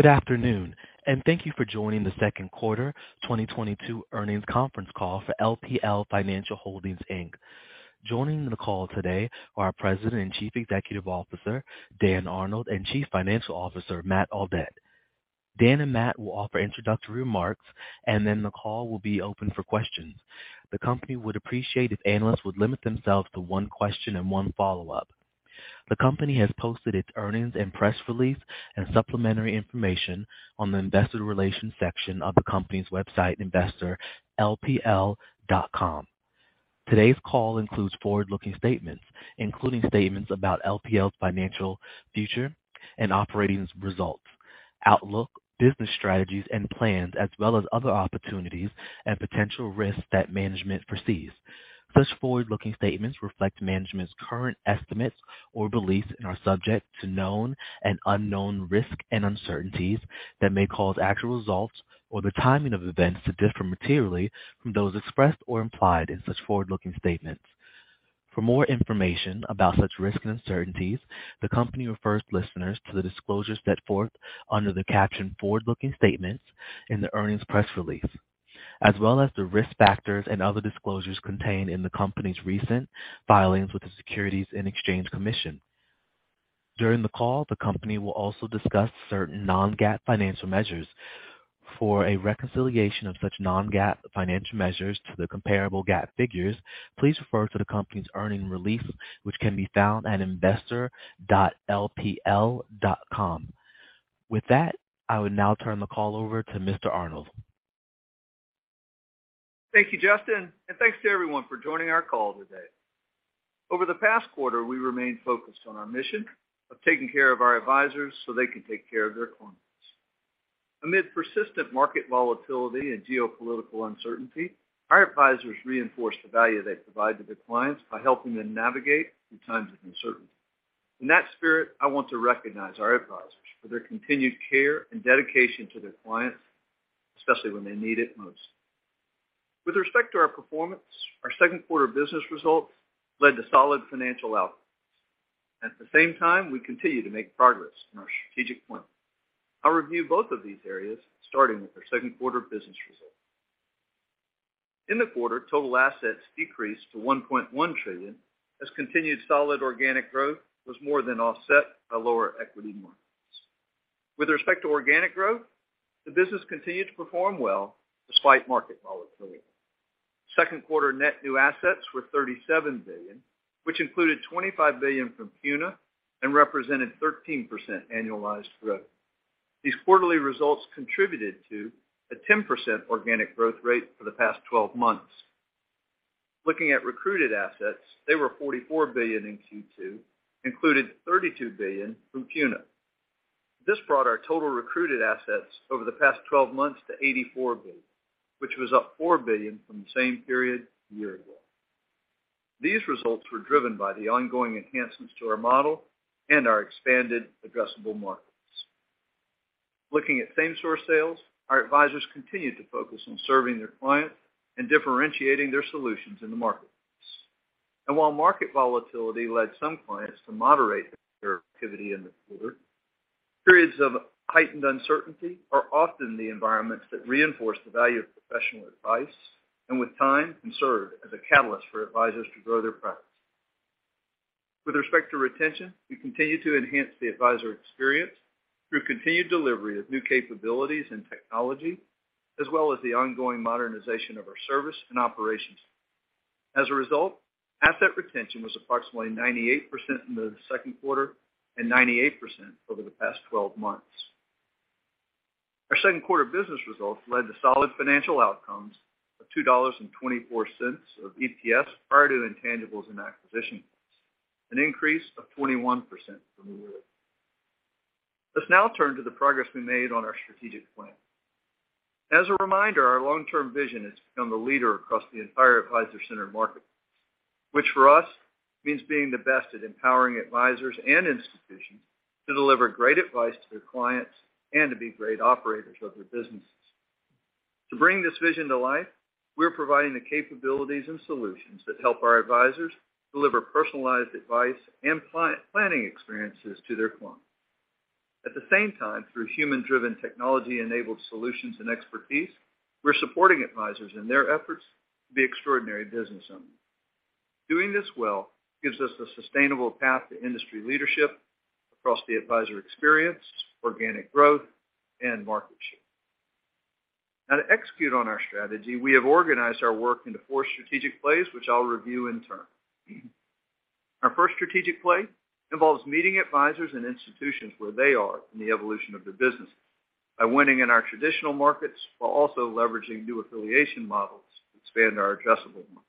Good afternoon, and thank you for joining Q2 2022 Earnings Conference Call for LPL Financial Holdings, Inc. Joining the call today are our President and Chief Executive Officer, Dan Arnold, and Chief Financial Officer, Matt Audette. Dan and Matt will offer introductory remarks, and then the call will be open for questions. The company would appreciate if analysts would limit themselves to one question and one follow-up. The company has posted its earnings and press release and supplementary information on the investor relations section of the company's website, investor.lpl.com. Today's call includes forward-looking statements, including statements about LPL's financial future and operating results, outlook, business strategies and plans, as well as other opportunities and potential risks that management foresees. Such forward-looking statements reflect management's current estimates or beliefs and are subject to known and unknown risks and uncertainties that may cause actual results or the timing of events to differ materially from those expressed or implied in such forward-looking statements. For more information about such risks and uncertainties, the company refers listeners to the disclosures set forth under the caption Forward-Looking Statements in the earnings press release, as well as the risk factors and other disclosures contained in the company's recent filings with the Securities and Exchange Commission. During the call, the company will also discuss certain non-GAAP financial measures. For a reconciliation of such non-GAAP financial measures to the comparable GAAP figures, please refer to the company's earnings release, which can be found at investor.lpl.com. With that, I would now turn the call over to Mr. Arnold. Thank you, Justin, and thanks to everyone for joining our call today. Over the past quarter, we remained focused on our mission of taking care of our advisors so they can take care of their clients. Amid persistent market volatility and geopolitical uncertainty, our advisors reinforced the value they provide to their clients by helping them navigate through times of uncertainty. In that spirit, I want to recognize our advisors for their continued care and dedication to their clients, especially when they need it most. With respect to our performance, our second quarter business results led to solid financial outcomes. At the same time, we continue to make progress in our strategic plan. I'll review both of these areas, starting with our second quarter business results. In the quarter, total assets decreased to $1.1 trillion, as continued solid organic growth was more than offset by lower equity markets. With respect to organic growth, the business continued to perform well despite market volatility. Second quarter net new assets were $37 billion, which included $25 billion from CUNA and represented 13% annualized growth. These quarterly results contributed to a 10% organic growth rate for the past twelve months. Looking at recruited assets, they were $44 billion in Q2, included $32 billion from CUNA. This brought our total recruited assets over the past twelve months to $84 billion, which was up $4 billion from the same period a year ago. These results were driven by the ongoing enhancements to our model and our expanded addressable markets. Looking at same-source sales, our advisors continued to focus on serving their clients and differentiating their solutions in the marketplace. While market volatility led some clients to moderate their activity in the quarter, periods of heightened uncertainty are often the environments that reinforce the value of professional advice, and with time, can serve as a catalyst for advisors to grow their practice. With respect to retention, we continue to enhance the advisor experience through continued delivery of new capabilities and technology, as well as the ongoing modernization of our service and operations. As a result, asset retention was approximately 98% in the second quarter and 98% over the past twelve months. Our second quarter business results led to solid financial outcomes of $2.24 of EPS prior to intangibles and acquisition costs, an increase of 21% from a year ago. Let's now turn to the progress we made on our strategic plan. As a reminder, our long-term vision is to become the leader across the entire advisor-centric marketplace. Which for us means being the best at empowering advisors and institutions to deliver great advice to their clients and to be great operators of their businesses. To bring this vision to life, we're providing the capabilities and solutions that help our advisors deliver personalized advice and client planning experiences to their clients. At the same time, through human-driven technology-enabled solutions and expertise, we're supporting advisors in their efforts to be extraordinary business owners. Doing this well gives us a sustainable path to industry leadership across the advisor experience, organic growth, and market share. Now to execute on our strategy, we have organized our work into four strategic plays, which I'll review in turn. Our first strategic play involves meeting advisors and institutions where they are in the evolution of their business by winning in our traditional markets while also leveraging new affiliation models to expand our addressable market.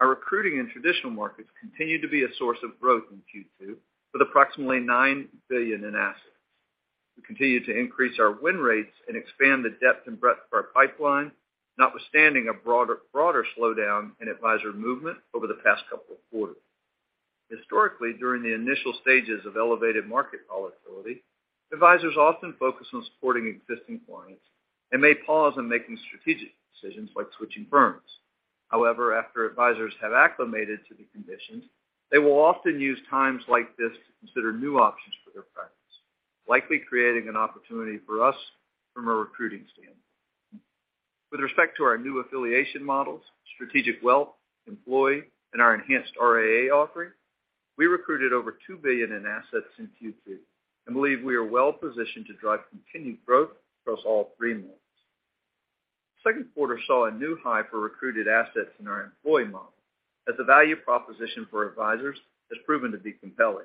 Our recruiting in traditional markets continued to be a source of growth in Q2 with approximately $9 billion in assets. We continue to increase our win rates and expand the depth and breadth of our pipeline, notwithstanding a broader slowdown in advisor movement over the past couple of quarters. Historically, during the initial stages of elevated market volatility, advisors often focus on supporting existing clients and may pause on making strategic decisions like switching firms. However, after advisors have acclimated to the conditions, they will often use times like this to consider new options for their practice, likely creating an opportunity for us from a recruiting standpoint. With respect to our new affiliation models, strategic wealth, employee, and our enhanced RIA offering, we recruited over $2 billion in assets in Q2, and believe we are well positioned to drive continued growth across all three models. Second quarter saw a new high for recruited assets in our employee model as the value proposition for advisors has proven to be compelling.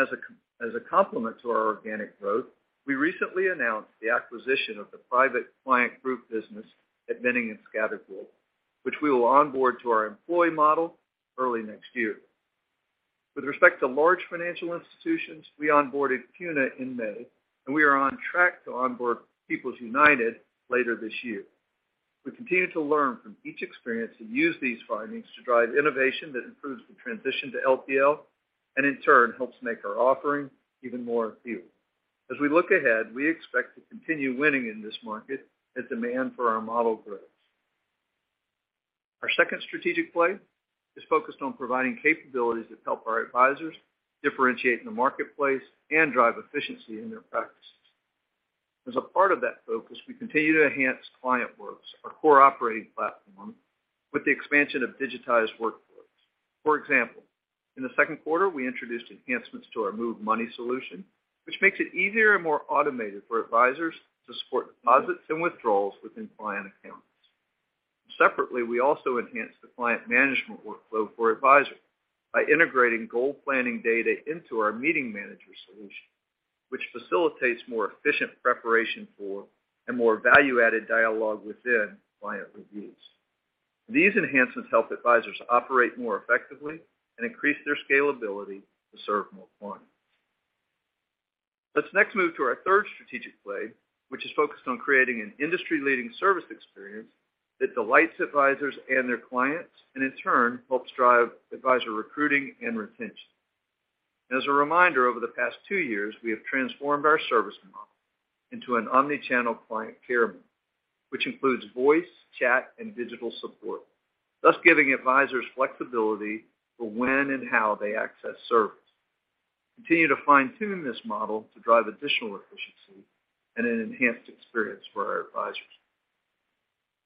As a complement to our organic growth, we recently announced the acquisition of the private client group business at Boenning & Scattergood, which we will onboard to our employee model early next year. With respect to large financial institutions, we onboarded CUNA in May, and we are on track to onboard People's United Bank later this year. We continue to learn from each experience and use these findings to drive innovation that improves the transition to LPL, and in turn, helps make our offering even more appealing. As we look ahead, we expect to continue winning in this market as demand for our model grows. Our second strategic play is focused on providing capabilities that help our advisors differentiate in the marketplace and drive efficiency in their practices. As a part of that focus, we continue to enhance ClientWorks, our core operating platform, with the expansion of digitized workflows. For example, in the second quarter, we introduced enhancements to our Move Money solution, which makes it easier and more automated for advisors to support deposits and withdrawals within client accounts. Separately, we also enhanced the client management workflow for advisors by integrating goal planning data into our meeting management solution, which facilitates more efficient preparation for and more value-added dialogue within client reviews. These enhancements help advisors operate more effectively and increase their scalability to serve more clients. Let's next move to our third strategic play, which is focused on creating an industry-leading service experience that delights advisors and their clients, and in turn, helps drive advisor recruiting and retention. As a reminder, over the past two years, we have transformed our service model into an omni-channel client care model, which includes voice, chat, and digital support, thus giving advisors flexibility for when and how they access service. We continue to fine-tune this model to drive additional efficiency and an enhanced experience for our advisors.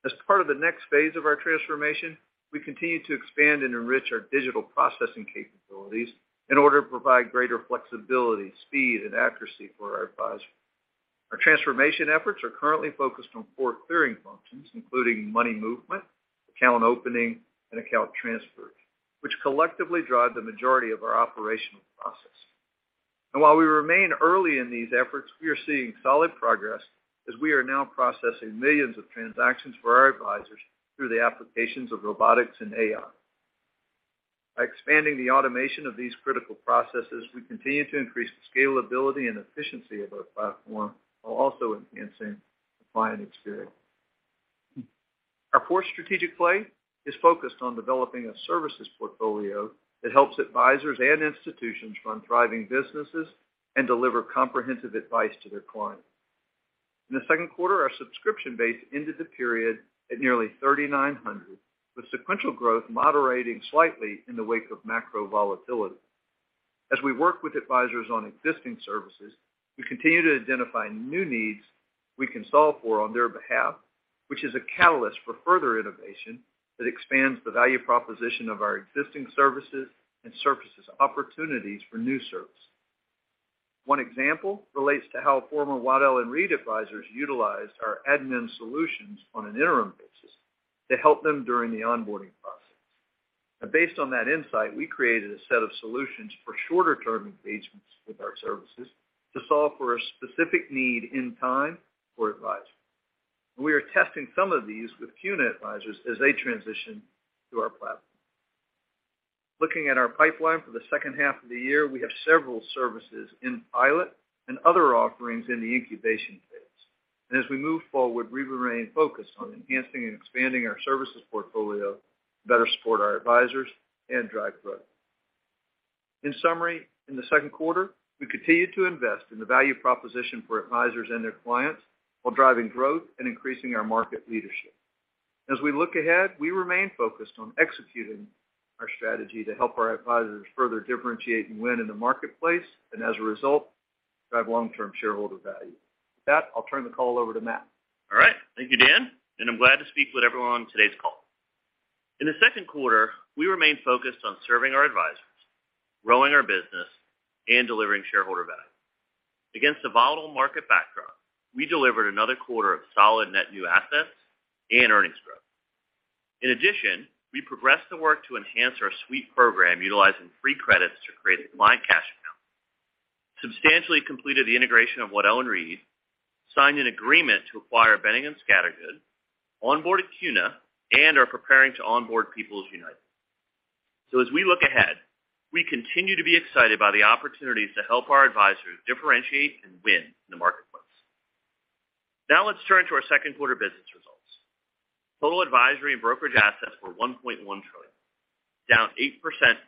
As part of the next phase of our transformation, we continue to expand and enrich our digital processing capabilities in order to provide greater flexibility, speed, and accuracy for our advisors. Our transformation efforts are currently focused on four clearing functions, including money movement, account opening, and account transfers, which collectively drive the majority of our operational processes. While we remain early in these efforts, we are seeing solid progress as we are now processing millions of transactions for our advisors through the applications of robotics and AI. By expanding the automation of these critical processes, we continue to increase the scalability and efficiency of our platform while also enhancing the client experience. Our fourth strategic play is focused on developing a services portfolio that helps advisors and institutions run thriving businesses and deliver comprehensive advice to their clients. In the second quarter, our subscription base ended the period at nearly 3,900, with sequential growth moderating slightly in the wake of macro volatility. As we work with advisors on existing services, we continue to identify new needs we can solve for on their behalf, which is a catalyst for further innovation that expands the value proposition of our existing services and surfaces opportunities for new services. One example relates to how former Waddell & Reed advisors utilized our admin solutions on an interim basis to help them during the onboarding process. Based on that insight, we created a set of solutions for shorter-term engagements with our services to solve for a specific need in time for advisors. We are testing some of these with CUNA advisors as they transition to our platform. Looking at our pipeline for the second half of the year, we have several services in pilot and other offerings in the incubation phase. As we move forward, we will remain focused on enhancing and expanding our services portfolio to better support our advisors and drive growth. In summary, in the second quarter, we continued to invest in the value proposition for advisors and their clients while driving growth and increasing our market leadership. As we look ahead, we remain focused on executing our strategy to help our advisors further differentiate and win in the marketplace, and as a result, drive long-term shareholder value. With that, I'll turn the call over to Matt. All right. Thank you, Dan, and I'm glad to speak with everyone on today's call. In the second quarter, we remained focused on serving our advisors, growing our business, and delivering shareholder value. Against a volatile market backdrop, we delivered another quarter of solid net new assets and earnings growth. In addition, we progressed the work to enhance our sweep program utilizing fee credits to create a Client Cash Account, substantially completed the integration of Waddell & Reed, signed an agreement to acquire Boenning & Scattergood, onboarded CUNA, and are preparing to onboard People's United Bank. As we look ahead, we continue to be excited by the opportunities to help our advisors differentiate and win in the marketplace. Now let's turn to our second quarter business results. Total advisory and brokerage assets were $1.1 trillion, down 8%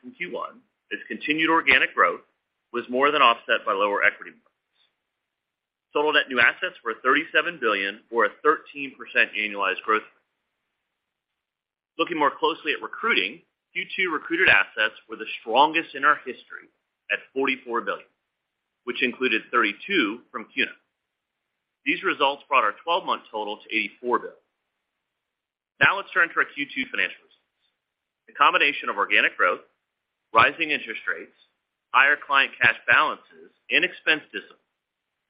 from Q1 as continued organic growth was more than offset by lower equity markets. Total net new assets were $37 billion, or a 13% annualized growth rate. Looking more closely at recruiting, Q2 recruited assets were the strongest in our history at $44 billion, which included $32 billion from CUNA. These results brought our twelve-month total to $84 billion. Now let's turn to our Q2 financial results. The combination of organic growth, rising interest rates, higher client cash balances, and expense discipline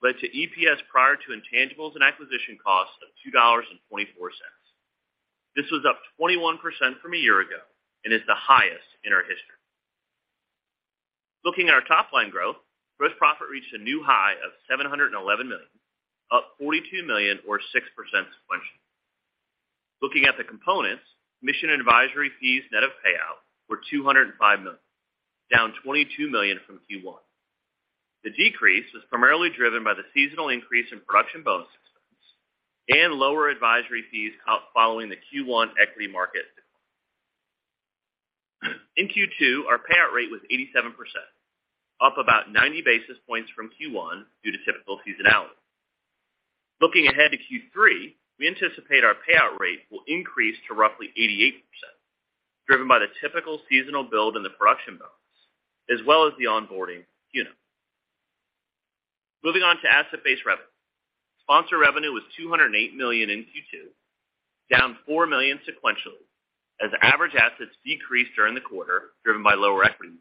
led to EPS prior to intangibles and acquisition costs of $2.24. This was up 21% from a year ago and is the highest in our history. Looking at our top-line growth, gross profit reached a new high of $711 up 42 million or 6% sequentially. Looking at the components, commission and advisory fees net of payout were $205 down 22 million from Q1. The decrease was primarily driven by the seasonal increase in production bonus expense and lower advisory fees following the Q1 equity market decline. In Q2, our payout rate was 87%, up about 90 basis points from Q1 due to typical seasonality. Looking ahead to Q3, we anticipate our payout rate will increase to roughly 88%, driven by the typical seasonal build in the production bonus as well as the onboarding of CUNA. Moving on to asset-based revenue. Sponsor revenue was $208 million in Q2, down $4 million sequentially as average assets decreased during the quarter, driven by lower equity.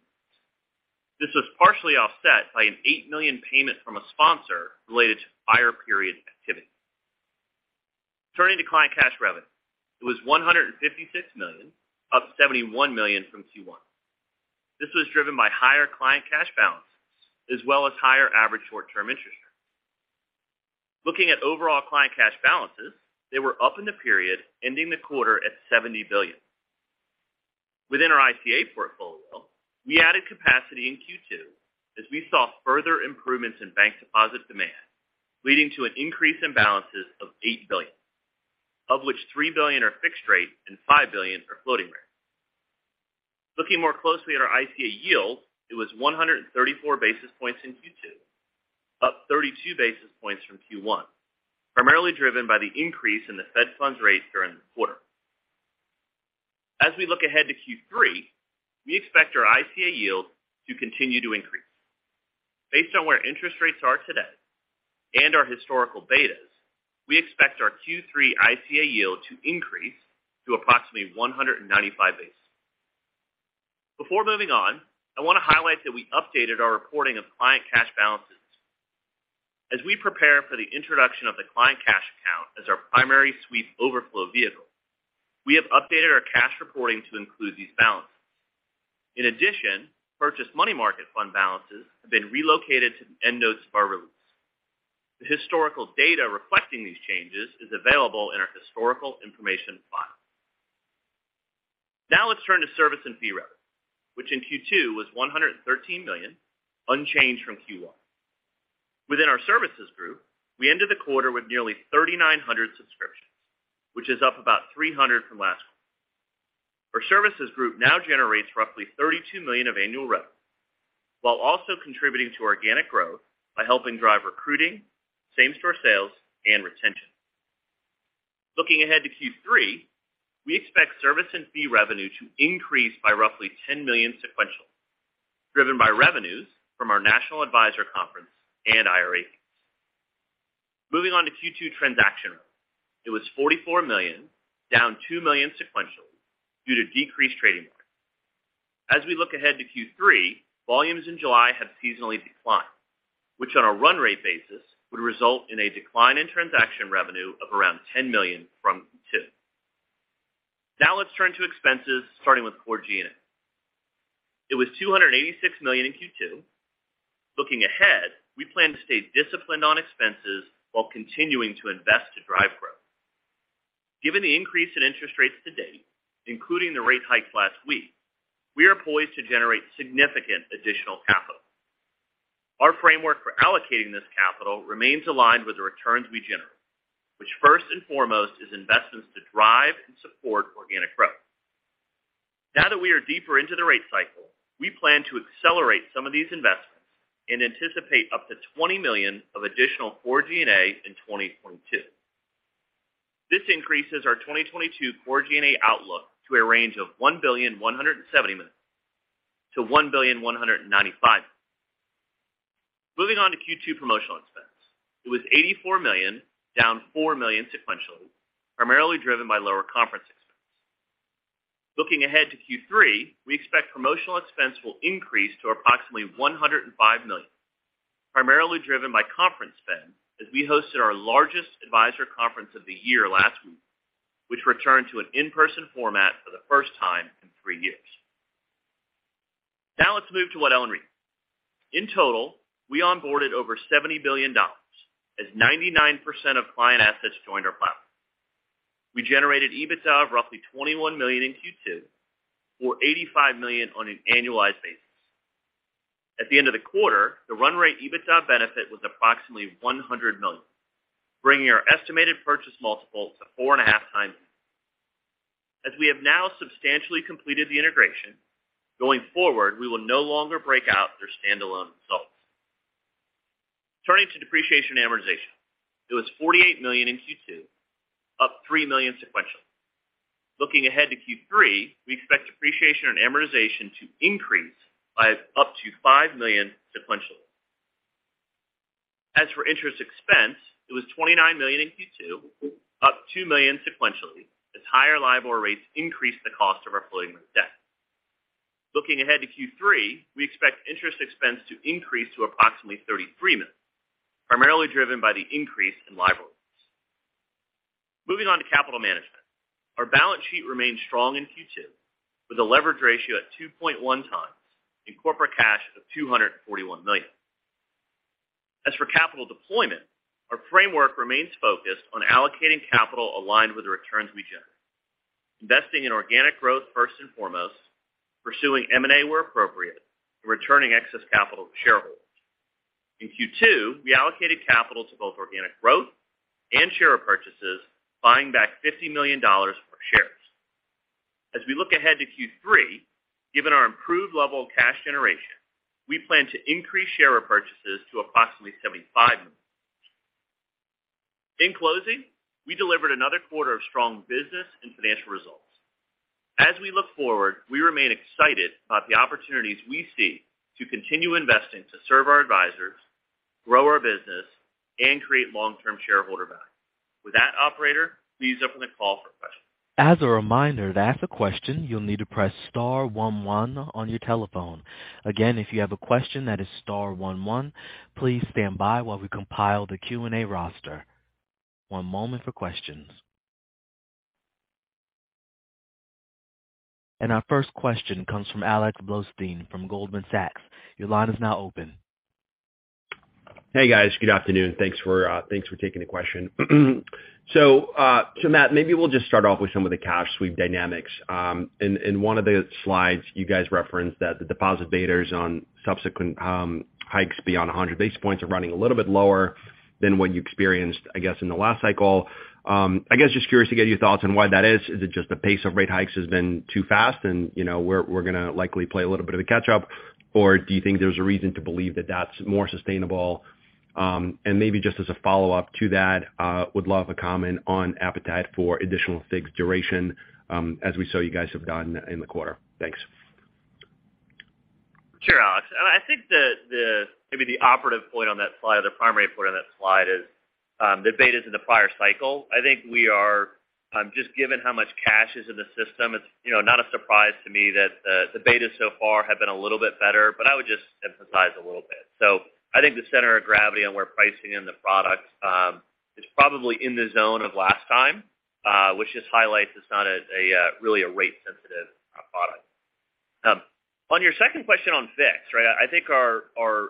This was partially offset by an $8 million payment from a sponsor related to prior period activity. Turning to client cash revenue. It was $156 up 71 million from Q1. This was driven by higher client cash balances as well as higher average short-term interest rates. Looking at overall client cash balances, they were up in the period ending the quarter at $70 billion. Within our ICA portfolio, we added capacity in Q2 as we saw further improvements in bank deposit demand, leading to an increase in balances of $8 billion, of which $3 billion are fixed-rate and $5 billion are floating rate. Looking more closely at our ICA yield, it was 134 basis points in Q2, up 32 basis points from Q1, primarily driven by the increase in the Fed funds rate during the quarter. As we look ahead to Q3, we expect our ICA yield to continue to increase. Based on where interest rates are today and our historical betas, we expect our Q3 ICA yield to increase to approximately 195 basis points. Before moving on, I want to highlight that we updated our reporting of client cash balances. As we prepare for the introduction of the Client Cash Account as our primary sweep overflow vehicle, we have updated our cash reporting to include these balances. In addition, purchase money market fund balances have been relocated to the endnotes of our release. The historical data reflecting these changes is available in our historical information file. Now let's turn to service and fee revenue, which in Q2 was $113 million, unchanged from Q1. Within our services group, we ended the quarter with nearly 3,900 subscriptions, which is up about 300 from last quarter. Our services group now generates roughly $32 million of annual revenue, while also contributing to organic growth by helping drive recruiting, same-store sales, and retention. Looking ahead to Q3, we expect service and fee revenue to increase by roughly $10 million sequentially, driven by revenues from our National Advisor Conference and IRA. Moving on to Q2 transaction revenue. It was $44 down 2 million sequentially due to decreased trading volume. As we look ahead to Q3, volumes in July have seasonally declined, which on a run rate basis would result in a decline in transaction revenue of around $10 million from Q2. Now let's turn to expenses, starting with core G&A. It was $286 million in Q2. Looking ahead, we plan to stay disciplined on expenses while continuing to invest to drive growth. Given the increase in interest rates to date, including the rate hikes last week, we are poised to generate significant additional capital. Our framework for allocating this capital remains aligned with the returns we generate, which first and foremost is investments to drive and support organic growth. Now that we are deeper into the rate cycle, we plan to accelerate some of these investments and anticipate up to $20 million of additional core G&A in 2022. This increases our 2022 core G&A outlook to a range of $1.17 to 1.195 billion. Moving on to Q2 promotional expense. It was $84 down 4 million sequentially, primarily driven by lower conference expense. Looking ahead to Q3, we expect promotional expense will increase to approximately $105 million, primarily driven by conference spend as we hosted our largest advisor conference of the year last week, which returned to an in-person format for the first time in three years. Now let's move to Waddell & Reed's. In total, we onboarded over $70 billion as 99% of client assets joined our platform. We generated EBITDA of roughly $21 million in Q2, or $85 million on an annualized basis. At the end of the quarter, the run rate EBITDA benefit was approximately $100 million, bringing our estimated purchase multiple to 4.5x EBITDA. As we have now substantially completed the integration, going forward, we will no longer break out their standalone results. Turning to depreciation and amortization, it was $48 million in Q2, up $3 million sequentially. Looking ahead to Q3, we expect depreciation and amortization to increase by up to $5 million sequentially. As for interest expense, it was $29 million in Q2, up $2 million sequentially as higher LIBOR rates increased the cost of our floating rate debt. Looking ahead to Q3, we expect interest expense to increase to approximately $33 million, primarily driven by the increase in LIBOR rates. Moving on to capital management. Our balance sheet remained strong in Q2 with a leverage ratio at 2.1x and corporate cash of $241 million. As for capital deployment, our framework remains focused on allocating capital aligned with the returns we generate. Investing in organic growth first and foremost, pursuing M&A where appropriate, and returning excess capital to shareholders. In Q2, we allocated capital to both organic growth and share purchases, buying back $50 million of our shares. As we look ahead to Q3, given our improved level of cash generation, we plan to increase share repurchases to approximately $75 million. In closing, we delivered another quarter of strong business and financial results. As we look forward, we remain excited about the opportunities we see to continue investing to serve our advisors, grow our business, and create long-term shareholder value. With that, operator, please open the call for questions. As a reminder, to ask a question, you'll need to press star one one on your telephone. Again, if you have a question, that is star one one. Please stand by while we compile the Q&A roster. One moment for questions. Our first question comes from Alexander Blostein from Goldman Sachs. Your line is now open. Hey, guys. Good afternoon. Thanks for taking the question. Matt, maybe we'll just start off with some of the cash sweep dynamics. In one of the slides, you guys referenced that the deposit betas on subsequent hikes beyond 100 basis points are running a little bit lower than what you experienced, I guess, in the last cycle. I guess just curious to get your thoughts on why that is. Is it just the pace of rate hikes has been too fast and, you know, we're gonna likely play a little bit of the catch up? Or do you think there's a reason to believe that that's more sustainable? Maybe just as a follow-up to that, would love a comment on appetite for additional fixed duration, as we saw you guys have gotten in the quarter. Thanks. Sure, Alex. I think maybe the operative point on that slide or the primary point on that slide is the betas in the prior cycle. I think we are just given how much cash is in the system, it's you know not a surprise to me that the betas so far have been a little bit better, but I would just emphasize a little bit. I think the center of gravity on where pricing in the products is probably in the zone of last time which just highlights it's not really a rate sensitive product. On your second question on fixed, right? I think our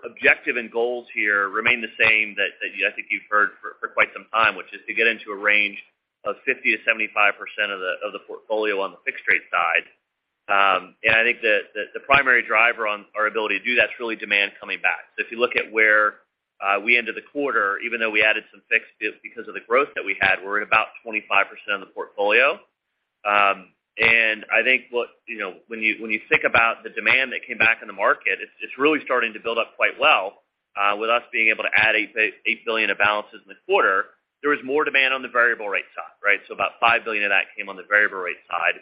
objective and goals here remain the same that I think you've heard for quite some time, which is to get into a range of 50% to 75% of the portfolio on the fixed rate side. I think that the primary driver on our ability to do that is really demand coming back. If you look at where we ended the quarter, even though we added some fixed because of the growth that we had, we're at about 25% of the portfolio. I think what you know when you think about the demand that came back in the market, it's really starting to build up quite well with us being able to add $8 billion of balances in the quarter. There was more demand on the variable rate side, right? About $5 billion of that came on the variable rate side.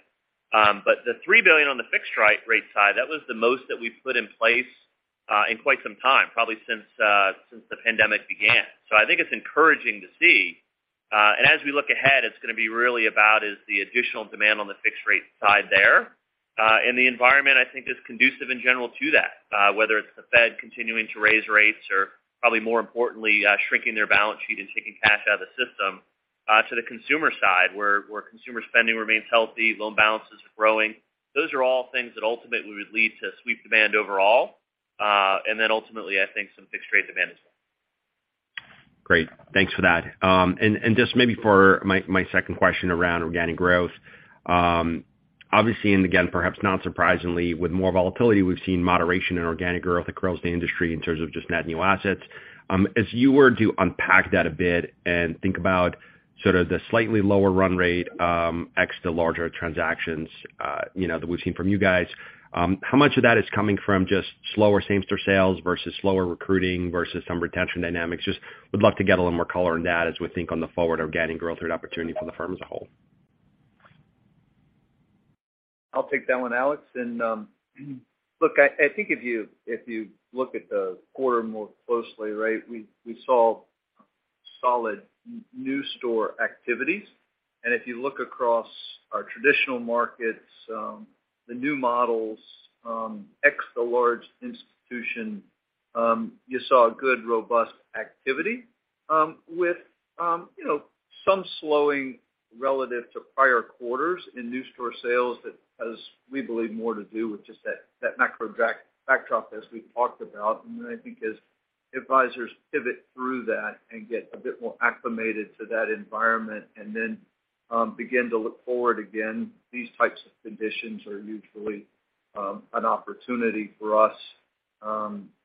The $3 billion on the fixed rate side, that was the most that we've put in place in quite some time, probably since the pandemic began. I think it's encouraging to see. As we look ahead, it's going to be really about is the additional demand on the fixed rate side there. The environment I think is conducive in general to that, whether it's the Fed continuing to raise rates or probably more importantly, shrinking their balance sheet and taking cash out of the system to the consumer side where consumer spending remains healthy, loan balances are growing. Those are all things that ultimately would lead to sweep demand overall. Ultimately, I think some fixed rate demand as well. Great. Thanks for that. And just maybe for my second question around organic growth. Obviously, and again, perhaps not surprisingly, with more volatility, we've seen moderation in organic growth across the industry in terms of just net new assets. If you were to unpack that a bit and think about sort of the slightly lower run rate, ex the larger transactions, you know, that we've seen from you guys, how much of that is coming from just slower same store sales versus slower recruiting versus some retention dynamics? Just would love to get a little more color on that as we think on the forward organic growth rate opportunity for the firm as a whole. I'll take that one, Alex. Look, I think if you look at the quarter more closely, right, we saw solid new store activities. If you look across our traditional markets, the new models, ex the large institution, you saw good, robust activity, with you know, some slowing relative to prior quarters in new store sales that has, we believe, more to do with just that macro backdrop as we've talked about. I think as advisors pivot through that and get a bit more acclimated to that environment and then begin to look forward again, these types of conditions are usually an opportunity for us,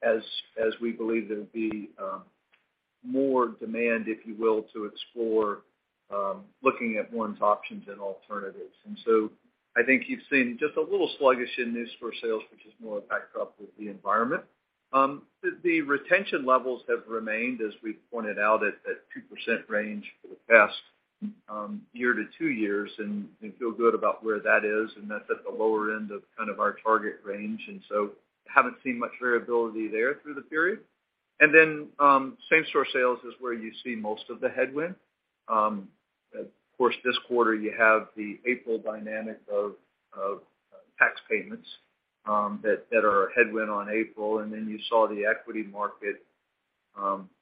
as we believe there'll be more demand, if you will, to explore looking at one's options and alternatives. I think you've seen just a little sluggish in new store sales, which is more backed up with the environment. The retention levels have remained, as we pointed out, at 2% range for the past year to two years and feel good about where that is, and that's at the lower end of kind of our target range. Same store sales is where you see most of the headwind. Of course, this quarter you have the April dynamic of tax payments that are a headwind on April, and then you saw the equity market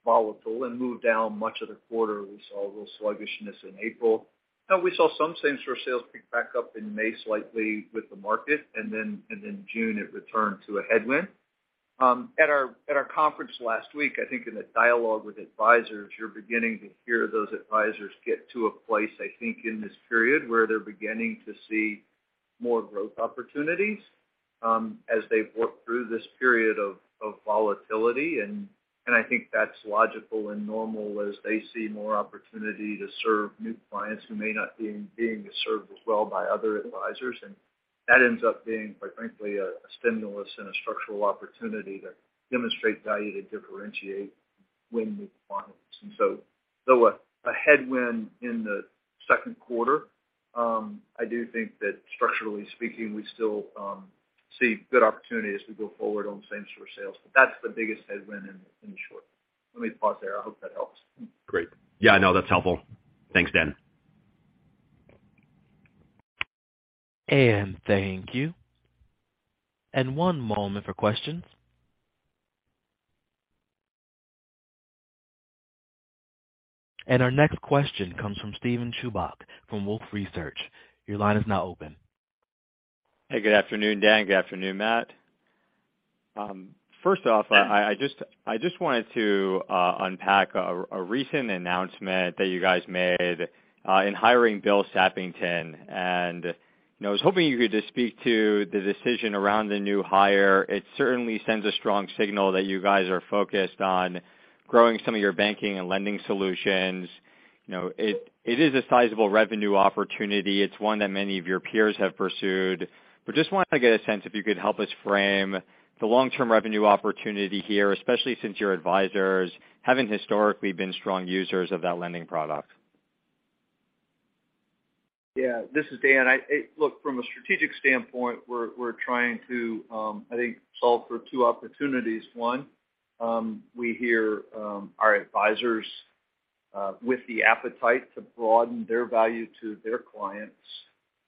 volatile and move down much of the quarter. We saw a little sluggishness in April. Now we saw some same store sales pick back up in May slightly with the market, and then in June it returned to a headwind. At our conference last week, I think in the dialogue with advisors, you're beginning to hear those advisors get to a place, I think, in this period where they're beginning to see more growth opportunities, as they've worked through this period of volatility. I think that's logical and normal as they see more opportunity to serve new clients who may not be served as well by other advisors. That ends up being, quite frankly, a stimulus and a structural opportunity to demonstrate value, to differentiate and win new clients. Though a headwind in the second quarter, I do think that structurally speaking, we still see good opportunity as we go forward on same store sales. That's the biggest headwind in short. Let me pause there. I hope that helps. Great. Yeah, no, that's helpful. Thanks, Dan. Thank you. One moment for questions. Our next question comes from Steven Chubak from Wolfe Research. Your line is now open. Hey, good afternoon, Dan. Good afternoon, Matt. First off, I just wanted to unpack a recent announcement that you guys made in hiring Bill Sappington. You know, I was hoping you could just speak to the decision around the new hire. It certainly sends a strong signal that you guys are focused on growing some of your banking and lending solutions. You know, it is a sizable revenue opportunity. It's one that many of your peers have pursued. I just wanted to get a sense if you could help us frame the long-term revenue opportunity here, especially since your advisors haven't historically been strong users of that lending product. This is Dan. Look, from a strategic standpoint, we're trying to, I think solve for two opportunities. One, we hear, our advisors with the appetite to broaden their value to their clients,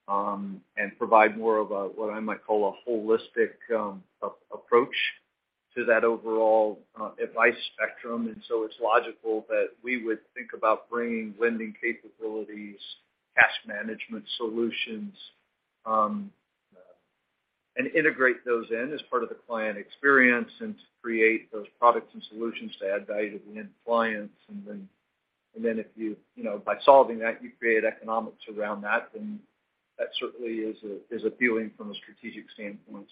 and provide more of a, what I might call a holistic, approach to that overall, advice spectrum. It's logical that we would think about bringing lending capabilities, cash management solutions, and integrate those in as part of the client experience and to create those products and solutions to add value to the end clients. If you know, by solving that, you create economics around that, then that certainly is appealing from a strategic standpoint.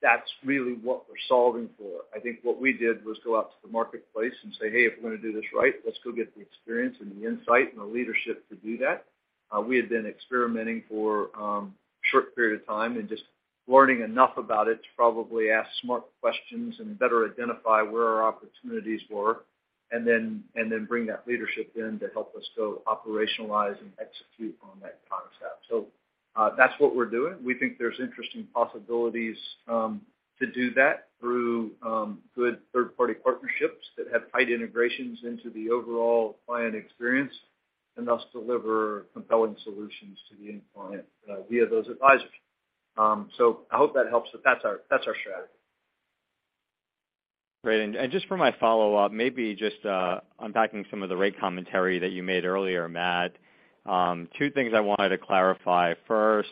That's really what we're solving for. I think what we did was go out to the marketplace and say, "Hey, if we're gonna do this right, let's go get the experience and the insight and the leadership to do that." We had been experimenting for a short period of time and just learning enough about it to probably ask smart questions and better identify where our opportunities were, and then bring that leadership in to help us go operationalize and execute on that concept. That's what we're doing. We think there's interesting possibilities to do that through good third-party partnerships that have tight integrations into the overall client experience and thus deliver compelling solutions to the end client via those advisors. I hope that helps. That's our strategy. Great. Just for my follow-up, maybe just unpacking some of the rate commentary that you made earlier, Matt. Two things I wanted to clarify. First,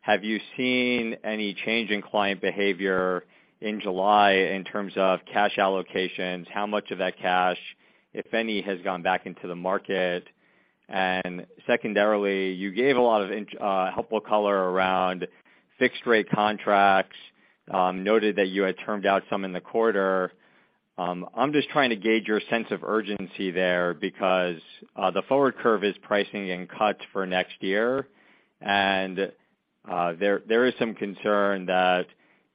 have you seen any change in client behavior in July in terms of cash allocations? How much of that cash, if any, has gone back into the market? Secondarily, you gave a lot of helpful color around fixed rate contracts, noted that you had termed out some in the quarter. I'm just trying to gauge your sense of urgency there because the forward curve is pricing in cuts for next year. There is some concern that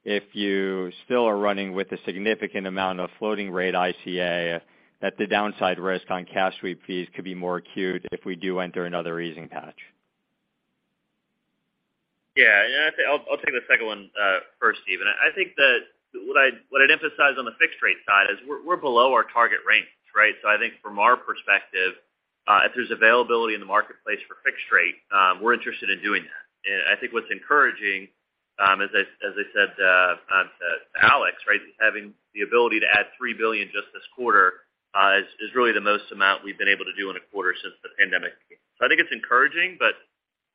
if you still are running with a significant amount of floating rate ICA, that the downside risk on cash sweep fees could be more acute if we do enter another easing patch. Yeah. I'll tell you, I'll take the second one first, Steven. I think that what I'd emphasize on the fixed rate side is we're below our target range, right? So I think from our perspective, if there's availability in the marketplace for fixed rate, we're interested in doing that. I think what's encouraging, as I said to Alex, right, is having the ability to add $3 billion just this quarter is really the most amount we've been able to do in a quarter since the pandemic. So I think it's encouraging, but,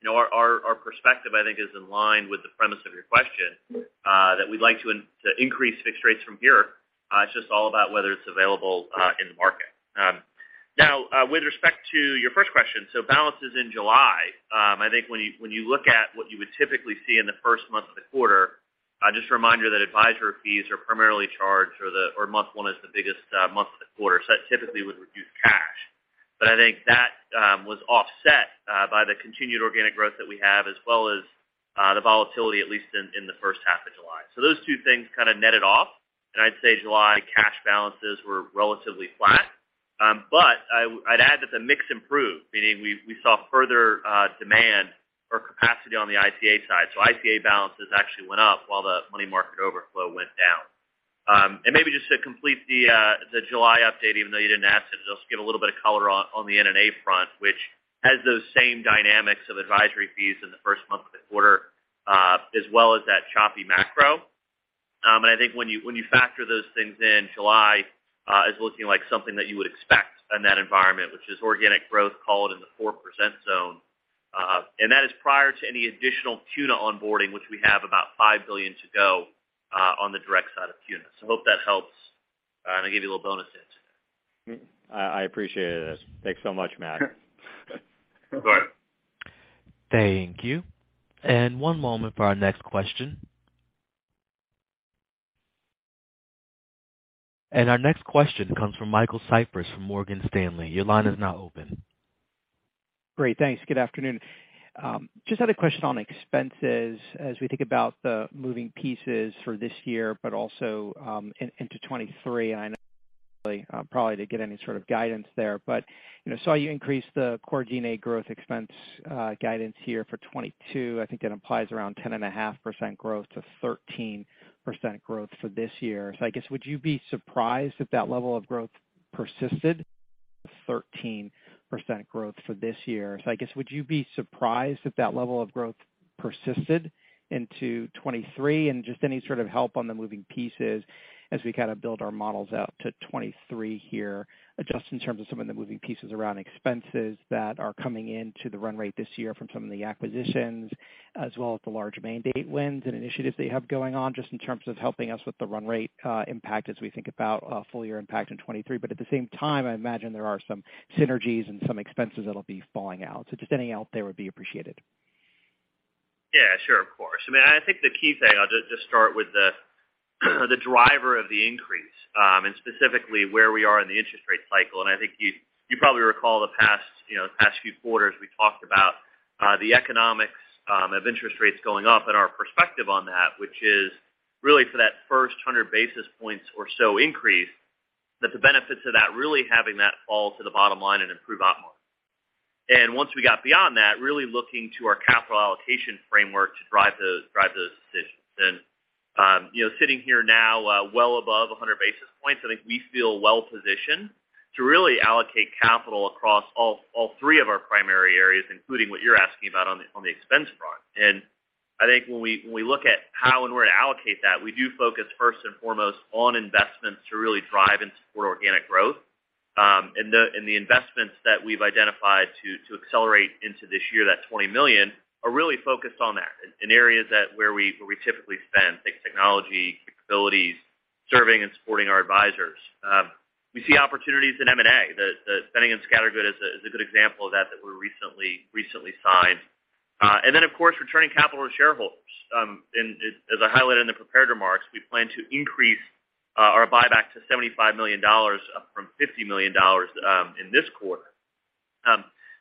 you know, our perspective, I think is in line with the premise of your question that we'd like to increase fixed rates from here. It's just all about whether it's available in the market. With respect to your first question, balances in July, I think when you look at what you would typically see in the first month of the quarter, just a reminder that advisory fees are primarily charged or the, or month one is the biggest month of the quarter. That typically would reduce cash. I think that was offset by the continued organic growth that we have, as well as the volatility, at least in the first half of July. Those two things kind of netted off, and I'd say July cash balances were relatively flat. I'd add that the mix improved, meaning we saw further demand or capacity on the ICA side. ICA balances actually went up while the money market overflow went down. Maybe just to complete the July update, even though you didn't ask it, just give a little bit of color on the NNA front, which has those same dynamics of advisory fees in the first month of the quarter, as well as that choppy macro. I think when you factor those things in, July is looking like something that you would expect in that environment, which is organic growth clocked in the 4% zone. And that is prior to any additional CUNA onboarding, which we have about $5 billion to go, on the direct side of CUNA. I hope that helps. I gave you a little bonus hint. I appreciate it. Thanks so much, Matt. Sure. Thank you. One moment for our next question. Our next question comes from Michael Cyprys from Morgan Stanley. Your line is now open. Great. Thanks. Good afternoon. Just had a question on expenses as we think about the moving pieces for this year, but also into 2023. I know probably didn't get any sort of guidance there, but you know, saw you increase the core G&A expense growth guidance here for 2022. I think that implies around 10.5% to 13% growth for this year. I guess, would you be surprised if that level of growth persisted? 13% growth for this year. I guess, would you be surprised if that level of growth persisted into 2023? Just any sort of help on the moving pieces as we kind of build our models out to 2023 here, just in terms of some of the moving pieces around expenses that are coming into the run rate this year from some of the acquisitions, as well as the large mandate wins and initiatives they have going on, just in terms of helping us with the run rate impact as we think about a full year impact in 2023. At the same time, I imagine there are some synergies and some expenses that'll be falling out. Just any color out there would be appreciated. Yeah, sure. Of course. I mean, I think the key thing, I'll just start with the driver of the increase, and specifically where we are in the interest rate cycle. I think you probably recall the past, you know, the past few quarters, we talked about the economics of interest rates going up and our perspective on that, which is really for that first 100 basis points or so increase, that the benefits of that really having that fall to the bottom line and improve Operating Margin. Once we got beyond that, really looking to our capital allocation framework to drive those decisions. You know, sitting here now, well above 100 basis points, I think we feel well-positioned to really allocate capital across all three of our primary areas, including what you're asking about on the expense front. I think when we look at how and where to allocate that, we do focus first and foremost on investments to really drive and support organic growth. The investments that we've identified to accelerate into this year, that $20 million, are really focused on that in areas where we typically spend, think technology capabilities, serving and supporting our advisors. We see opportunities in M&A. The spending in Boenning & Scattergood is a good example of that we recently signed. Then of course, returning capital to shareholders. As I highlighted in the prepared remarks, we plan to increase our buyback to $75 up from 50 million in this quarter.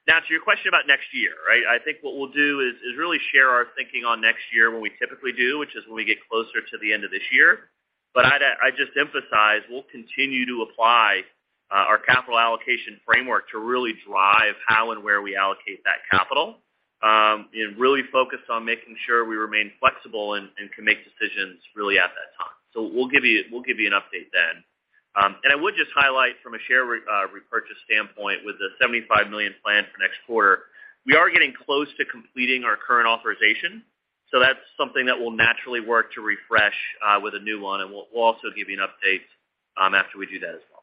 Now to your question about next year, right? I think what we'll do is really share our thinking on next year when we typically do, which is when we get closer to the end of this year. I'd just emphasize, we'll continue to apply our capital allocation framework to really drive how and where we allocate that capital, and really focus on making sure we remain flexible and can make decisions really at that time. We'll give you an update then. I would just highlight from a share repurchase standpoint with the $75 million plan for next quarter, we are getting close to completing our current authorization. That's something that we'll naturally work to refresh with a new one. We'll also give you an update after we do that as well.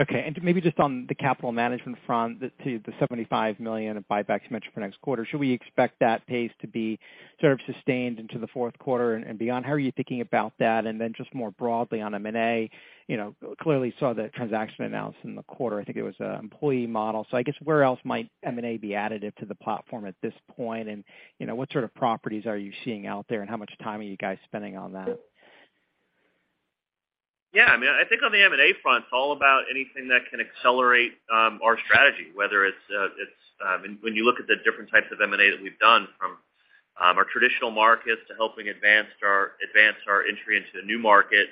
Okay. Maybe just on the capital management front to the $75 million buyback you mentioned for next quarter, should we expect that pace to be sort of sustained into the fourth quarter and beyond? How are you thinking about that? Just more broadly on M&A, you know, clearly saw the transaction announced in the quarter. I think it was an employee model. I guess where else might M&A be additive to the platform at this point? You know, what sort of properties are you seeing out there, and how much time are you guys spending on that? Yeah. I mean, I think on the M&A front, it's all about anything that can accelerate our strategy, whether it's when you look at the different types of M&A that we've done from our traditional markets to helping advance our entry into the new market,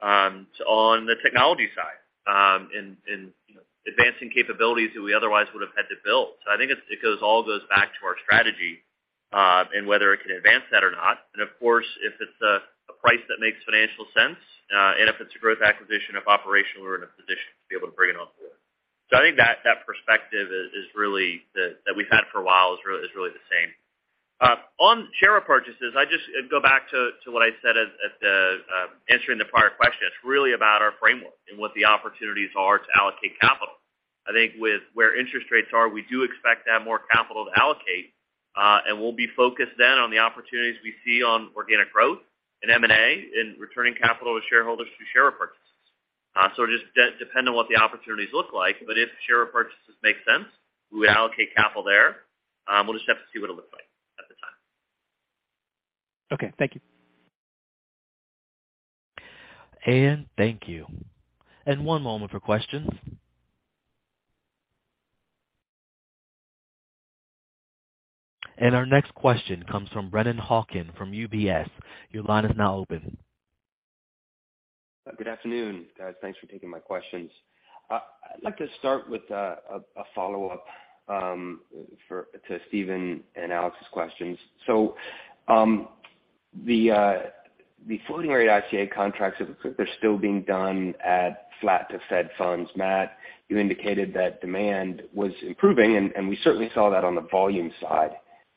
to on the technology side, and you know, advancing capabilities that we otherwise would have had to build. I think it all goes back to our strategy, and whether it can advance that or not. Of course, if it's a price that makes financial sense, and if it's a growth acquisition or operation, we're in a position to be able to bring it on board. I think that perspective is really the same that we've had for a while. On share purchases, I just go back to what I said in answering the prior question. It's really about our framework and what the opportunities are to allocate capital. I think with where interest rates are, we do expect to have more capital to allocate, and we'll be focused then on the opportunities we see on organic growth and M&A and returning capital to shareholders through share repurchases. So it just depends on what the opportunities look like. If share repurchases make sense, we would allocate capital there. We'll just have to see what it looks like at the time. Okay. Thank you. Thank you. One moment for questions. Our next question comes from Brennan Hawken from UBS. Your line is now open. Good afternoon, guys. Thanks for taking my questions. I'd like to start with a follow-up to Steven and Alex's questions. The floating rate ICA contracts, it looks like they're still being done at flat to Fed funds. Matt, you indicated that demand was improving, and we certainly saw that on the volume side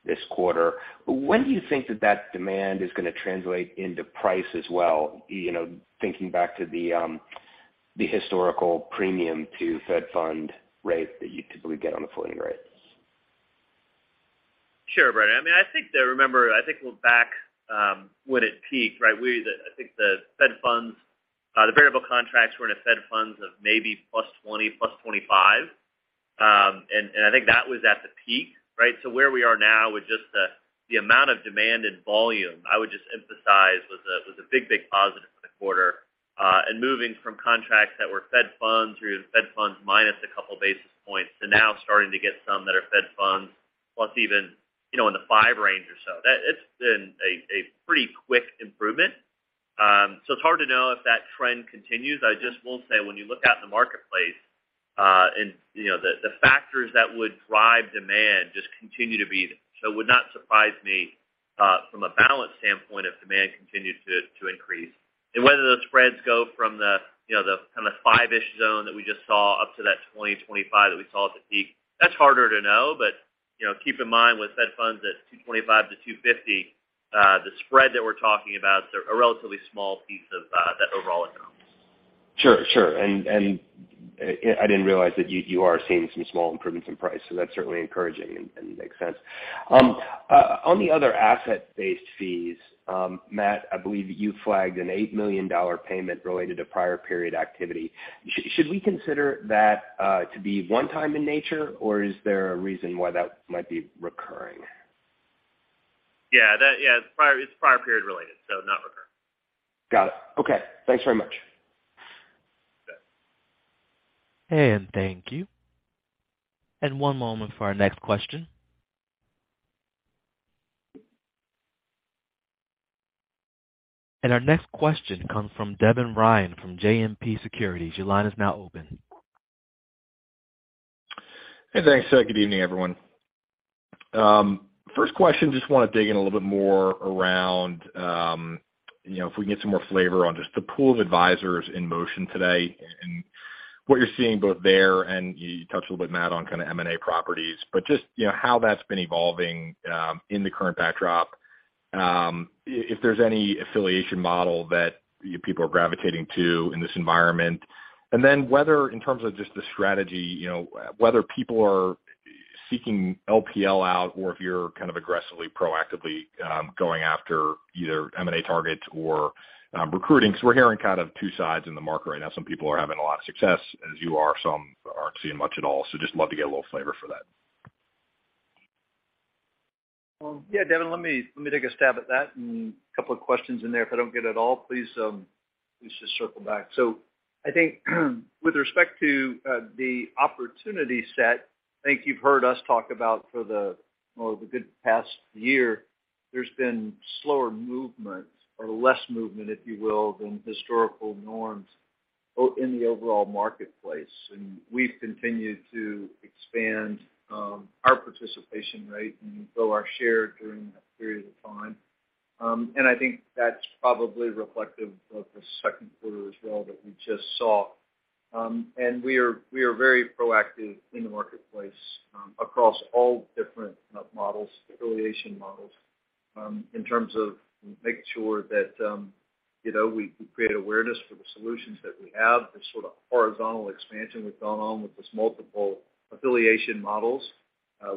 this quarter. But when do you think that demand is gonna translate into price as well? You know, thinking back to the historical premium to Fed fund rate that you typically get on the floating rates. Sure, Brennan. I mean, I think that Remember, I think we're back when it peaked, right? I think the Fed funds the variable contracts were in a Fed funds of maybe plus 20, plus 25. I think that was at the peak, right? Where we are now with just the amount of demand and volume, I would just emphasize was a big positive for the quarter. Moving from contracts that were Fed funds through the Fed funds minus a couple of basis points to now starting to get some that are Fed funds plus even in the 5 range or so. That's been a pretty quick improvement. It's hard to know if that trend continues. I just will say when you look out in the marketplace, you know, the factors that would drive demand just continue to be there. It would not surprise me from a balance standpoint if demand continued to increase. Whether those spreads go from the, you know, the kind of 5-ish zone that we just saw up to that 20 to 25 that we saw at the peak, that's harder to know. You know, keep in mind with Fed funds at 2.25 to 2.50, the spread that we're talking about is a relatively small piece of that overall economics. Sure. I didn't realize that you are seeing some small improvements in price, so that's certainly encouraging and makes sense. On the other asset-based fees, Matt, I believe you flagged an $8 million payment related to prior period activity. Should we consider that to be one time in nature, or is there a reason why that might be recurring? Yeah, it's prior period related, so not recurring. Got it. Okay. Thanks very much. Okay. Thank you. One moment for our next question. Our next question comes from Devin Ryan from JMP Securities. Your line is now open. Hey, thanks. Good evening, everyone. First question, just wanna dig in a little bit more around, you know, if we can get some more flavor on just the pool of advisors in motion today and what you're seeing both there and you touched a little bit, Matt, on kind of M&A opportunities, but just, you know, how that's been evolving, in the current backdrop. If there's any affiliation model that you people are gravitating to in this environment. Then whether in terms of just the strategy, you know, whether people are seeking LPL out or if you're kind of aggressively, proactively, going after either M&A targets or, recruiting. We're hearing kind of two sides in the market right now. Some people are having a lot of success, as you are. Some aren't seeing much at all. Just love to get a little flavor for that. Yeah, Devin, let me take a stab at that and a couple of questions in there. If I don't get it all, please just circle back. I think with respect to the opportunity set, I think you've heard us talk about for the, well, the good past year, there's been slower movement or less movement, if you will, than historical norms in the overall marketplace. We've continued to expand our participation rate and grow our share during that period of time. I think that's probably reflective of the second quarter as well that we just saw. We are very proactive in the marketplace across all different kind of models, affiliation models, in terms of making sure that you know, we create awareness for the solutions that we have. The sort of horizontal expansion that's gone on with this multiple affiliation models.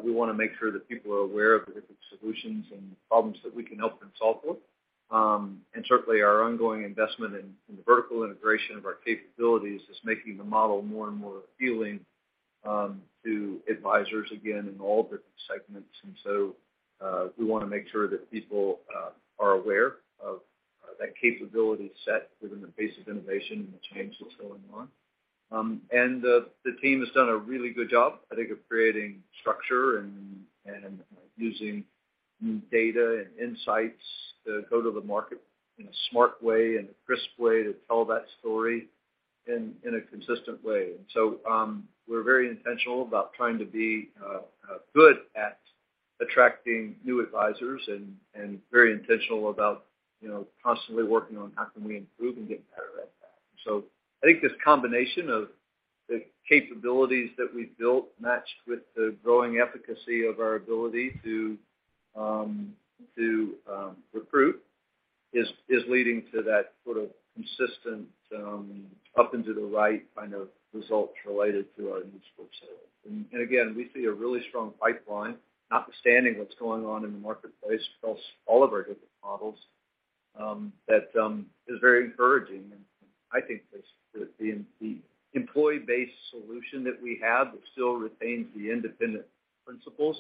We wanna make sure that people are aware of the different solutions and problems that we can help them solve for. Certainly our ongoing investment in the vertical integration of our capabilities is making the model more and more appealing to advisors, again, in all different segments. We wanna make sure that people are aware of that capability set within the pace of innovation and the change that's going on. The team has done a really good job, I think, of creating structure and using data and insights to go to the market in a smart way and a crisp way to tell that story in a consistent way. We're very intentional about trying to be good at attracting new advisors and very intentional about, you know, constantly working on how can we improve and get better at that. I think this combination of the capabilities that we've built matched with the growing efficacy of our ability to recruiting is leading to that sort of consistent up and to the right kind of results related to our new advisor sales. Again, we see a really strong pipeline notwithstanding what's going on in the marketplace across all of our different models that is very encouraging. I think that the employee-based solution that we have that still retains the independent principles,